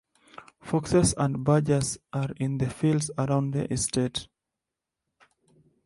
Foxes and badgers are in the fields around the estate.